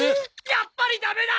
やっぱりダメだ！